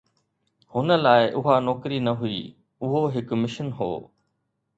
هن لاءِ اها نوڪري نه هئي، اهو هڪ مشن هو.